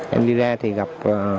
em đi ra thì gặp